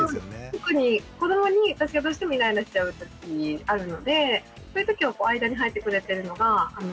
特に子どもに私がどうしてもイライラしちゃう時あるのでそういう時間に入ってくれてるのがすごくありがたいです。